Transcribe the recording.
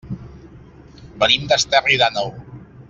Venim d'Esterri d'Àneu.